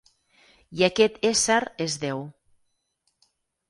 I aquest ésser és Déu.